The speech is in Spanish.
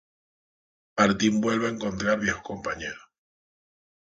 Martin vuelve a encontrar viejos compañeros.